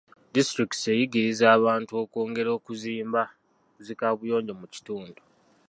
Disitulikiti eyigirizza abantu okwongera kuzimba zi kaabuyonjo mu kitundu.